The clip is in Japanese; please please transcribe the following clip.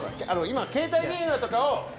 今携帯電話とかを。